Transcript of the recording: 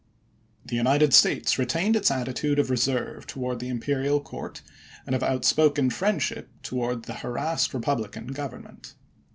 The United States retained its attitude of reserve towards the imperial court and of outspoken friendship towards the harassed republican government.